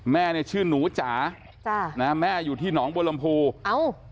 แม่ชื่อหนูจ๋าแม่อยู่ที่หนองบรมภูฮ์